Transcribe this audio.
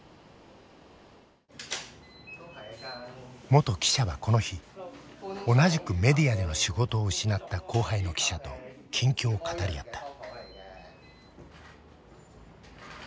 元記者はこの日同じくメディアでの仕事を失った後輩の記者と近況を語り合った。